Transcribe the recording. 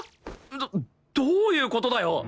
どどういう事だよ！？